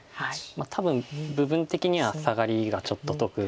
多分部分的にはサガリがちょっと得。